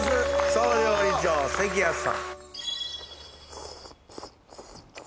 総料理長関谷さん。